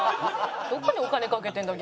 どこにお金かけてるんだろ？